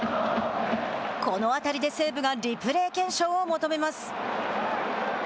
この当たりで西武がリプレー検証を求めます。